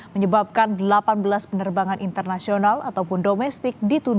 menyebabkan delapan belas penerbangan internasional ataupun domestik